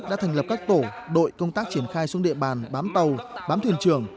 đã thành lập các tổ đội công tác triển khai xuống địa bàn bám tàu bám thuyền trường